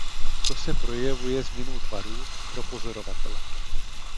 To se projevuje změnou tvarů pro pozorovatele.